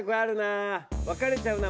分かれちゃうな。